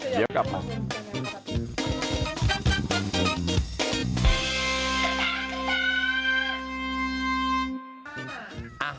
เดี๋ยวกลับมา